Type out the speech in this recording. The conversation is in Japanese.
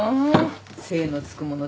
精のつくもの